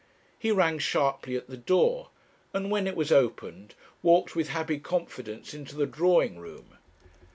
He rang sharply at the door, and when it was opened, walked with happy confidence into the drawing room.